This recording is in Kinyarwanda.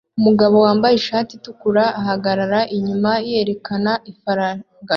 Umugabo wambaye ishati itukura ahagarara inyuma yerekana ifaranga